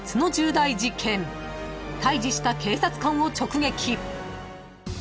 ［対峙した警察官を直撃］